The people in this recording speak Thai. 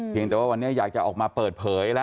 เพียงแต่ว่าวันนี้อยากจะออกมาเปิดเผยละ